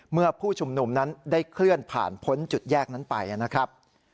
ผู้ชุมนุมนั้นได้เคลื่อนผ่านพ้นจุดแยกนั้นไปนะครับ